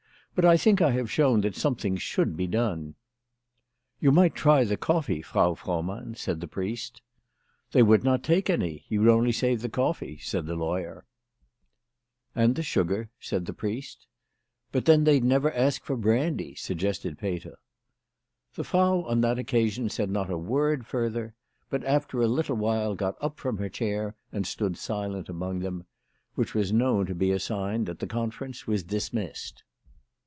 But I think I have shown that something should be done." " You might try the coffee, Frau Frohmann," said the priest. " They would not take any. You'd only save the coffee," said the lawyer. WHY FRAU FROHMANN RAISED HER PRICES. 23 " And the sugar," said the priest. " But then they'd never ask for brandy," suggested Peter. The Frau on that occasion said not a word further, but after a little while got up from her chair and stood silent among them ; which was known to be a sign that the conference was dismissed.